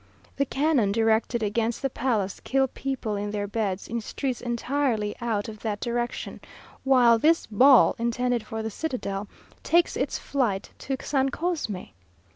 The cannon directed against the palace kill people in their beds, in streets entirely out of that direction, while this ball, intended for the citadel, takes its flight to San Cosme!